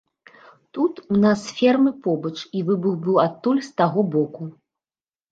Тут у нас ферма побач, і выбух быў адтуль, з таго боку.